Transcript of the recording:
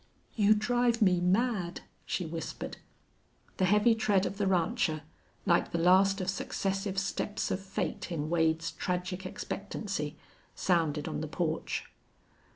"You drive me mad!" she whispered. The heavy tread of the rancher, like the last of successive steps of fate in Wade's tragic expectancy, sounded on the porch.